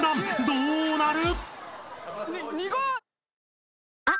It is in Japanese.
どうなる？］